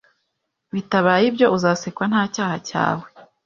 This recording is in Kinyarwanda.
Bitabaye ibyo uzasekwa nta cyaha cyawe